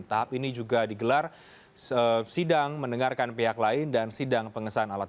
tahap ini juga digelar sidang mendengarkan pihak lain